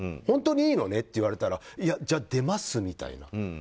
本当にいいのね？って言われたらいや、じゃあ出ますみたいな。